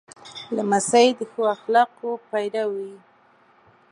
لمسی د ښو اخلاقو پیرو وي.